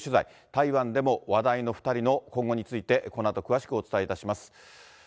台湾でも話題の２人の今後についてこのあと詳しくお伝えいたします。